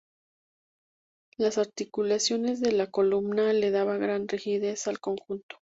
Las articulaciones de la columna le daba gran rigidez al conjunto.